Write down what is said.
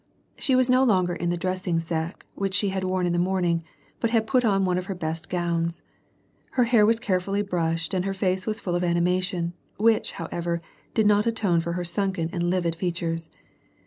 She was no longer in the dressing sack, which she had worn in the morning, but had put on one of her best gowns. Her hair was carefully brushed, and her face was full of ani mation, which, however, did not atone for her sunken and livid features.